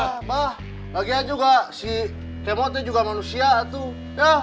abah bagian juga si kemotnya juga manusia tuh